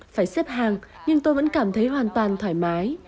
phải xếp hàng nhưng tôi vẫn cảm thấy hoàn toàn thoải mái